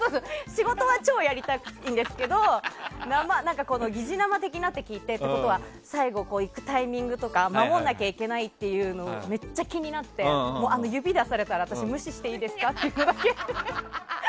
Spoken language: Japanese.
仕事は超やりたいんですけど擬似生的なって聞いて最後行くタイミングとか守んなきゃいけないというのがめっちゃ気になって指出されたら私、無視していいですかっていうのを。